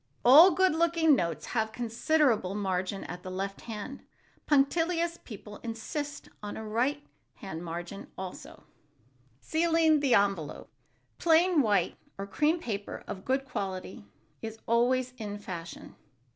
All good looking notes have a considerable margin at the left hand; punctilious people insist on a right hand margin also. [Sidenote: SEALING THE ENVELOPE] Plain white or cream paper of good quality is always in fashion.